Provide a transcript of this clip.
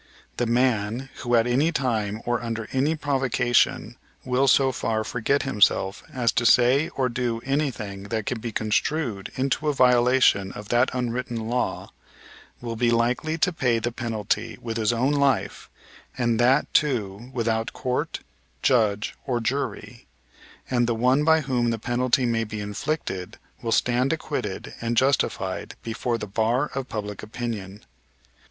The man, who at any time or under any provocation will so far forget himself as to say or do anything that can be construed into a violation of that unwritten law, will be likely to pay the penalty with his own life and that, too, without court, judge, or jury; and the one by whom the penalty may be inflicted will stand acquitted and justified before the bar of public opinion.